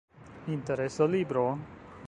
Interesa libro.